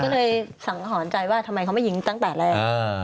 ก็เลยสังหรณ์ใจว่าทำไมเขาไม่ยิงตั้งแต่แรก